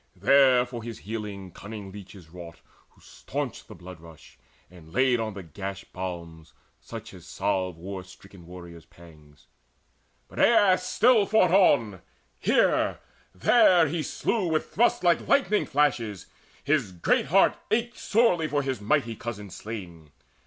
There for his healing cunning leeches wrought, Who stanched the blood rush, and laid on the gash Balms, such as salve war stricken warriors' pangs. But Aias still fought on: here, there he slew With thrusts like lightning flashes. His great heart Ached sorely for his mighty cousin slain.